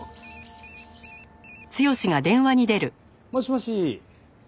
もしもし。